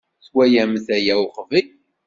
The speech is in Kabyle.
Twalamt aya uqbel?